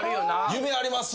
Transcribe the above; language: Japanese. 夢あります！